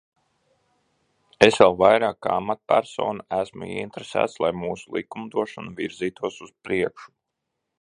Es vēl vairāk kā amatpersona esmu ieinteresēts, lai mūsu likumdošana virzītos uz priekšu.